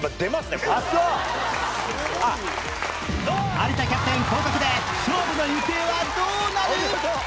有田キャプテン降格で勝負の行方はどうなる！？